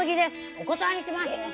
お断りします！